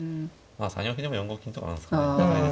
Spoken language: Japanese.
３四歩でも４五金とかなんですかね。